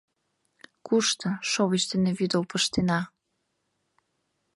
— Кушто, шовыч дене вӱдыл пыштена.